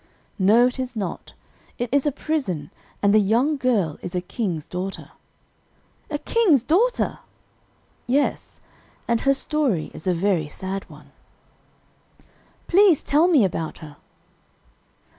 "No, it is not. It is a prison, and the young girl is a king's daughter." "A king's daughter!" "Yes; and her story is a very sad one." "Please tell me about her."